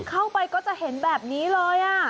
เข้าไปก็จะเห็นแบบนี้เลย